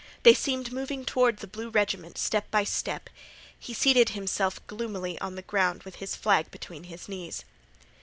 They seemed moving toward the blue regiment, step by step. He seated himself gloomily on the ground with his flag between his knees.